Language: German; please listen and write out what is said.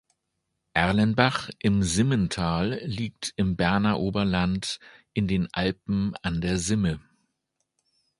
Erlenbach im Simmental liegt im Berner Oberland in den Alpen an der Simme.